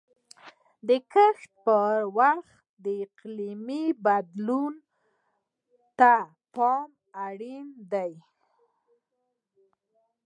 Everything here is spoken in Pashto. د کښت پر وخت د اقلیم بدلون ته پام اړین دی.